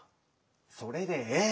それでええ。